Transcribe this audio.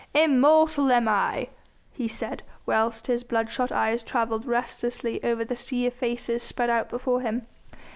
"Immortal am I," he said, whilst his bloodshot eyes travelled restlessly over the sea of faces spread out before him.